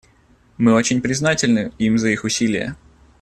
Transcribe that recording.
Мы очень признательны им за их усилия.